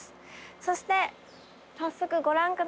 そして早速ご覧ください。